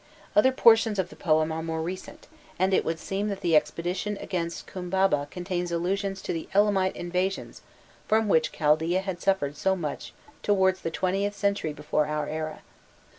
Other portions of the poem are more recent, and it would seem that the expedition against Khumbaba contains allusions to the Elamite* invasions from which Chaldaea had suffered so much towards the XXth century before our era.